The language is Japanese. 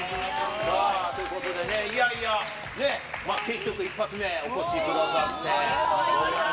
さあ、ということでね、いやいや、結局、一発目、お越しくださって。